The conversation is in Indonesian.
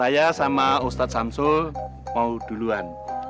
nah ustadz samsul mau duluan